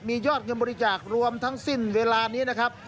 มียอดเงินบริจาครวมทั้งสิ้นเวลานี้นะครับ